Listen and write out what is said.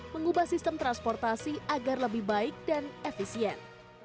mengubah sistem transportasi agar lebih baik dan efisien